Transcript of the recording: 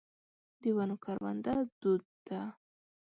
د ونو کرونده دود ده.